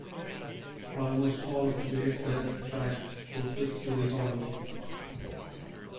Almost all of Great Bear's track courses through The Hollow.